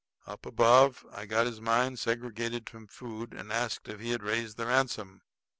Up above I got his mind segregated from food and asked if he had raised the ransom.